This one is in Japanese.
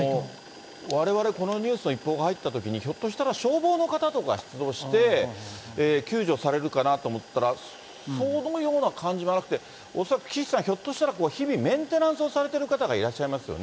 われわれこのニュースの一報が入ったときに、ひょっとしたら、消防の方とか出動して、救助されるかなと思ったら、そのような感じもなくて、恐らく岸さん、ひょっとしたら日々メンテナンスをされてらっしゃる方がいらっしゃいますよね。